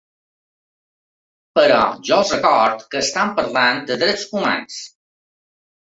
Però jo els recordo que estem parlant de drets humans.